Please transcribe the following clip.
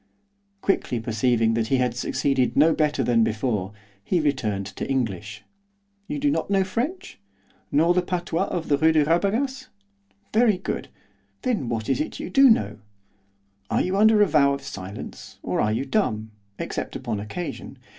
Quickly perceiving that he had succeeded no better than before, he returned to English. 'You do not know French? nor the patois of the Rue de Rabagas? Very good, then what is it that you do know? Are you under a vow of silence, or are you dumb, except upon occasion?